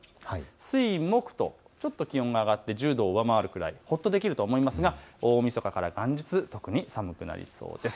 水、木とちょっと気温が上がって０度を上回るぐらい、ほっとできると思いますが大みそかから元日、特に寒くなりそうです。